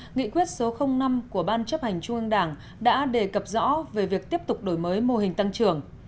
nghị quyết số năm của ban chấp hành trung ương đảng đã đề cập rõ về việc tiếp tục đổi mới mô hình tăng trưởng